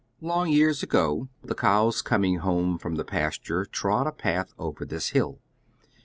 Long years ago the cows coming home from the pasture trod a path over thia hill.